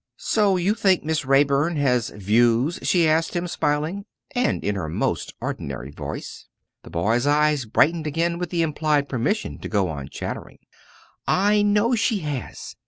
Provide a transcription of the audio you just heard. "So you think Miss Raeburn has views?" she asked him, smiling, and in her most ordinary voice. The boy's eye brightened again with the implied permission to go on chattering. "I know she has!